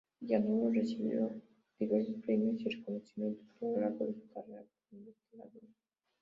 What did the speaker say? Llaguno recibió diversos premios y reconocimientos a lo largo de su carrera como investigadora.